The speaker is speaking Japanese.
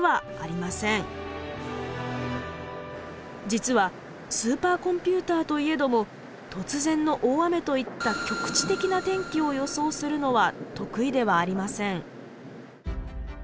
実はスーパーコンピューターといえども突然の大雨といった局地的な天気を予想するのは得意ではありません。